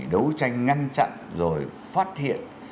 đấu tranh ngăn chặn rồi phát hiện